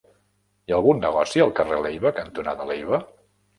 Hi ha algun negoci al carrer Leiva cantonada Leiva?